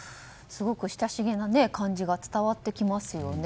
すごく親しげな感じが伝わってきますよね。